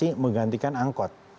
beroperasi menggantikan angkot